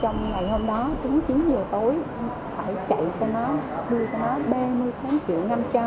trong ngày hôm đó đúng chín giờ tối phải chạy cho nó đưa cho nó ba mươi tám triệu năm trăm linh